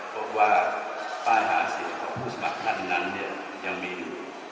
พบว่าป้ายหาเสียของผู้สมัครภัณฑ์นั้นเนี่ยยังมี